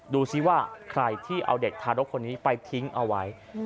ดูซิว่าใครที่เอาเด็กทารกคนนี้ไปทิ้งเอาไว้